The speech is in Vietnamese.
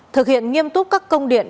một thực hiện nghiêm túc các công điện